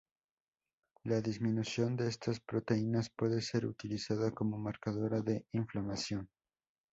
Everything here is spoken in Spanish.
La disminución de estas proteínas puede ser utilizada como marcadora de inflamación.